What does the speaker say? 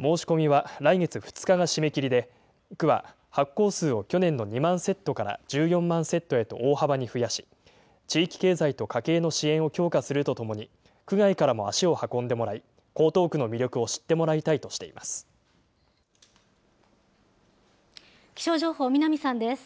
申し込みは来月２日が締め切りで、区は発行数を去年の２万セットから１４万セットへと大幅に増やし、地域経済と家計の支援を強化するとともに、区外からも足を運んでもらい、江東区の魅力を知ってもらいたいと気象情報、南さんです。